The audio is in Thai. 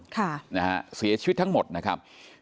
ค่ะนะฮะเสียชีวิตทั้งหมดนะครับ